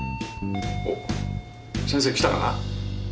おっ先生来たかな。